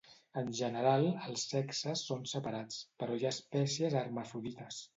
En general, els sexes són separats, però hi ha espècies hermafrodites.